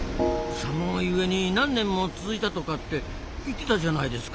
寒い上に何年も続いたとかって言ってたじゃないですか。